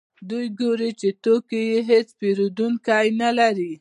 دوی ګوري چې توکي یې هېڅ پېرودونکي نلري